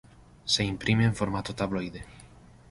Se imprime en formato tabloide.